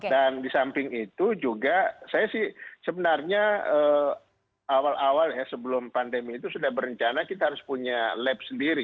dan di samping itu juga saya sih sebenarnya awal awal sebelum pandemi itu sudah berencana kita harus punya lab sendiri